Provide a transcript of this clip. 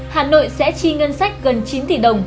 hà nội sẽ chi ngân sách gần chín tỷ đồng